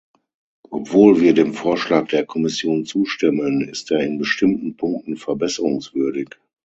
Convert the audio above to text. Obwohl wir dem Vorschlag der Kommission zustimmen, ist er in bestimmten Punkten verbesserungswürdig.